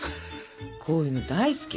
こういうの大好き！